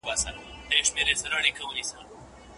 استاد شاګرد ته په څېړنه کي خپلواکي ورکوي.